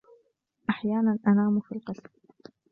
أحيانا ، أنام في القسم.